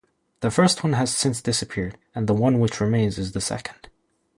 This first one has since disappeared, and the one which remains is the second.